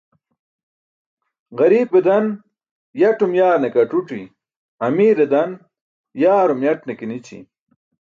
Ġariipe dan yaṭum yaarne ke ac̣uc̣i, amiire dan yaarum yaṭne ke nići